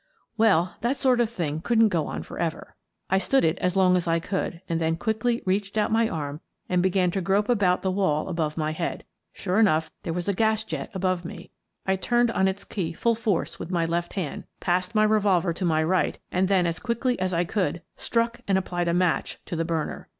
Well, that sort of thing couldn't go on for ever. I stood it as long as I could and then quickly reached out my arm and began to grope about the wall above my head. Sure enough, there was a gas jet above me! I turned on its key full force with my left hand, passed my revolver to my right, and then, as quickly as I could, struck and applied a match to the burner.